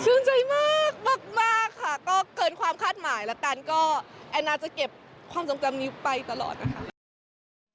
ใจมากมากค่ะก็เกินความคาดหมายแล้วกันก็แอนนาจะเก็บความทรงจำนิ้วไปตลอดนะคะ